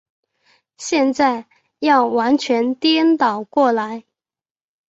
现在要完全颠倒过来。